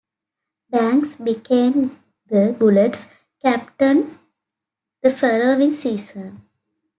Banks became the Bullets' captain the following season.